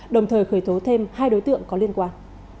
đồng thời khởi tố thêm hai đối tượng có liên quan